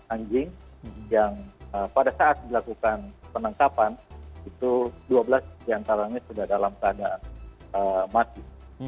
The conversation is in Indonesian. dua ratus dua puluh enam anjing yang pada saat dilakukan penangkapan itu dua belas yang karangnya sudah dalam keadaan mati